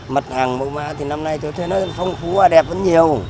mặt hàng mẫu mạ thì năm nay tôi thấy nó phong phú và đẹp rất nhiều